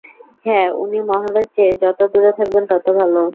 হ্যাঁ, উনি মহলের চেয়ে, যত দূরে থাকবেন তত ভালো।